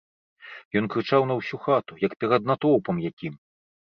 Ён крычаў на ўсю хату, як перад натоўпам якім.